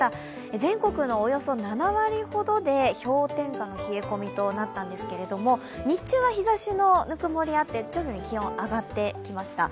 全国のおよそ７割ほどで氷点下の冷え込みとなったんですけれども、日中は日ざしの温もりがあって、徐々に気温が上がってきました。